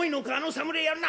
「侍やるな」。